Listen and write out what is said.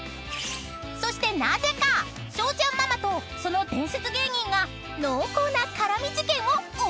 ［そしてなぜかしょうちゃんママとその伝説芸人が濃厚な絡み事件を起こしていた⁉］